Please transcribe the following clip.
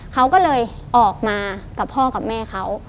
เขาก็เลยออกมากับพ่อกับแม่เขา